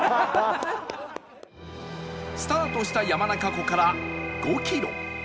スタートした山中湖から５キロ